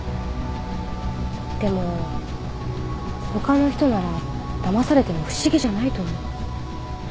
でも他の人ならだまされても不思議じゃないと思う。